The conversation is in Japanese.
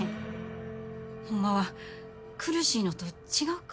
ホンマは苦しいのと違うか？